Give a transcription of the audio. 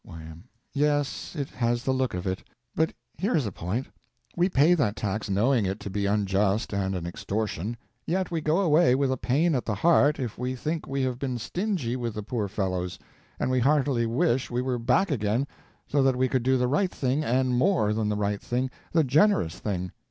Y.M. Yes, it has the look of it. But here is a point: we pay that tax knowing it to be unjust and an extortion; yet we go away with a pain at the heart if we think we have been stingy with the poor fellows; and we heartily wish we were back again, so that we could do the right thing, and more than the right thing, the generous thing.